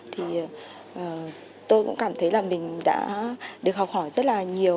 thì tôi cũng cảm thấy là mình đã được học hỏi rất là nhiều